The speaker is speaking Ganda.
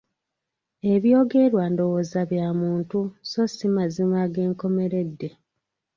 Ebyogerwa ndowooza bya muntu so si mazima ag’enkomeredde.